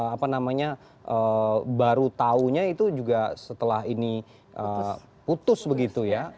apa namanya baru tahunya itu juga setelah ini putus begitu ya